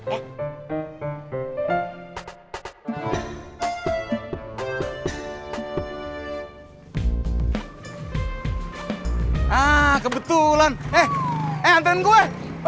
ah kebetulan eh anten gue